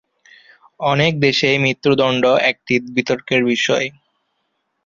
অনেক দেশেই মৃত্যুদণ্ড একটি বিতর্কের বিষয়।